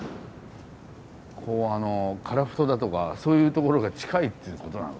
ここはあの樺太だとかそういう所が近いっていうことなのかな。